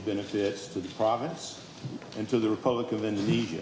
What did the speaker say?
yang besar untuk kota dan republik indonesia